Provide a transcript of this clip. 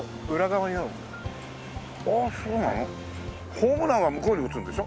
ホームランは向こうに打つんでしょ？